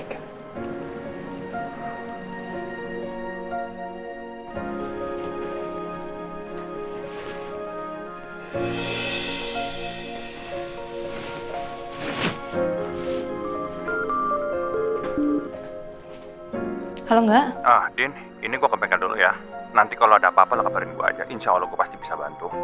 kalau ada apa apa kabarin gue aja insya allah gue pasti bisa bantu